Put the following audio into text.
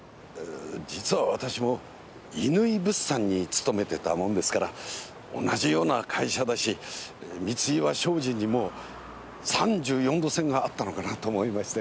実は私も乾井物産に勤めてたもんですから同じような会社だし三岩商事にも３４度線があったのかなと思いまして。